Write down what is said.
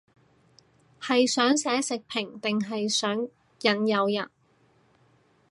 係想寫食評定係想引誘人